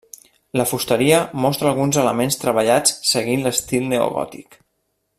La fusteria mostra alguns elements treballats seguint l’estil neogòtic.